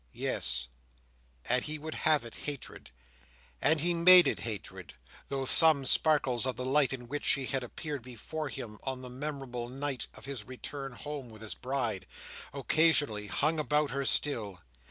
Yes, and he would have it hatred, and he made it hatred, though some sparkles of the light in which she had appeared before him on the memorable night of his return home with his Bride, occasionally hung about her still.